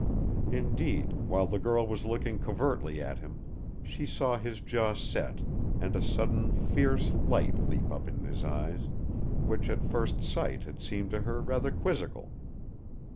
Indeed, while the girl was looking covertly at him, she saw his jaw set and a sudden, fierce light leap up in his eyes, which at first sight had seemed to her rather quizzical.